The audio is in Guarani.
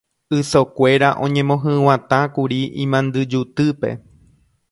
Ysokuéra oñemohyg̃uatãkuri imandyjutýpe.